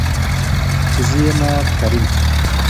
چې زه يمه کريم .